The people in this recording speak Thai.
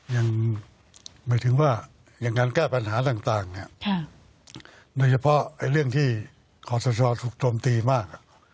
อย่างการแก้ปัญหาต่างโดยเฉพาะเรื่องที่ขอสนชอบถูกโทมตีมาก